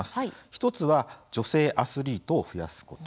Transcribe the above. １つは女性アスリートを増やすこと。